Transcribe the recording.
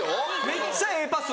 めっちゃええパス。